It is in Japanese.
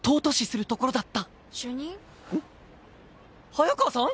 早川さん！？